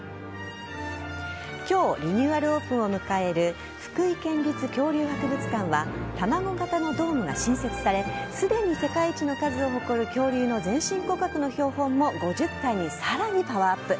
今日リニューアルオープンを迎える福井県立恐竜博物館は卵形のドームが新設されすでに世界一の数を誇る恐竜の全身骨格の標本が５０体に、さらにパワーアップ。